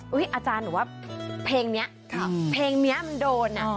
อุ๊ยอาจารย์หนูว่าเพลงนี้มันโดน